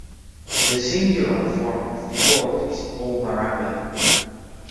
The singular form of the word is omuramba.